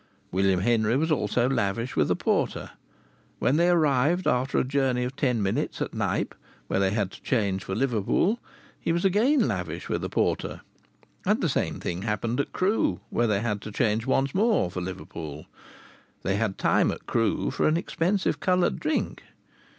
William Henry was also lavish with a porter. When they arrived, after a journey of ten minutes, at Knype, where they had to change for Liverpool, he was again lavish with a porter. And the same thing happened at Crewe, where they had to change once more for Liverpool. They had time at Crewe for an expensive coloured drink.